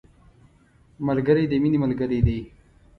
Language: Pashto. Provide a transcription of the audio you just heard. ملګری د مینې ملګری دی